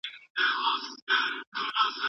هڅه کول د بريا لاره ده.